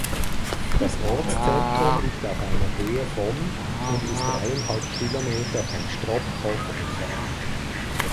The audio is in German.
Das Ortszentrum liegt auf einer Höhe von und ist dreieinhalb Kilometer von Stropkov entfernt.